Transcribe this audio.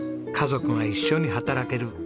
家族が一緒に働ける。